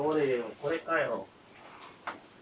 これかよ。